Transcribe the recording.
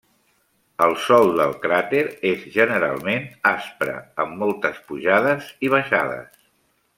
El sòl del cràter és generalment aspre, amb moltes pujades i baixades.